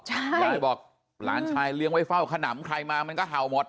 ยายบอกหลานชายเลี้ยงไว้เฝ้าขนำใครมามันก็เห่าหมด